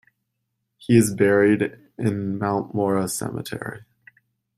He is buried in Mount Mora Cemetery.